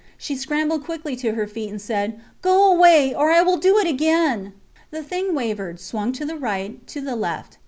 She scrambled quickly to her feet and said: Go away, or I will do it again. The thing wavered, swung to the right, to the left.